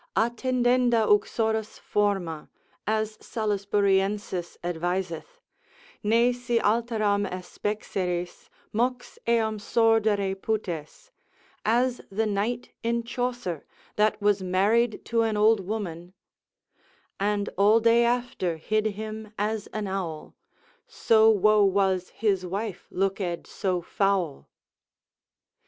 Attendenda uxoris forma, as Salisburiensis adviseth, ne si alteram aspexeris, mox eam sordere putes, as the Knight in Chaucer, that was married to an old woman, And all day after hid him as an owl, So woe was his wife looked so foul.